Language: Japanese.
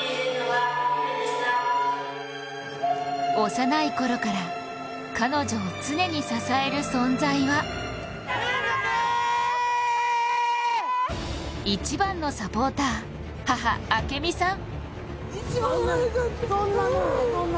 幼いころから彼女を常に支える存在は一番のサポーター母・明美さん。